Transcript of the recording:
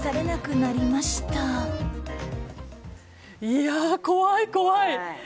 いやあ怖い、怖い。